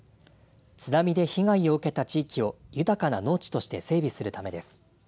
津波で被害を受けた地域を豊かな農地として整備するためです。